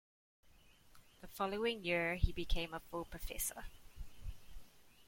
The following year he became a full professor.